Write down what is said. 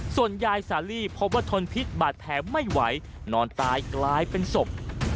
ส่วนยายสาลีพบว่าทนพิษบาดแผลไม่ไหวนอนตายกลายเป็นศพ